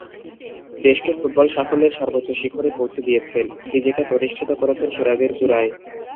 দেশকে ফুটবল সাফল্যের সর্বোচ্চ শিখরে পৌঁছে দিয়েছেন, নিজেকে প্রতিষ্ঠিত করেছেন সেরাদের চূড়ায়।